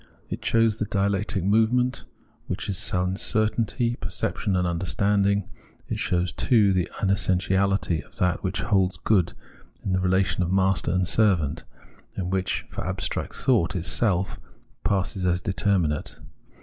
It shows the dialectic movement, which is sense certainty, perception, and understanding. It shows, too, the unessentiahty of that which holds good in the relation of master and servant, and which for abstract thought itself passes as determinate.